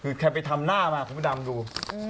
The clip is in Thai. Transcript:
คือแค่ไปทำหน้ามาคุณพระดำดู